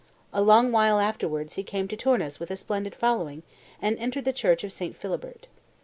A long while afterwards he came to Tournus with a splendid following, and entered the church of St. Philibert.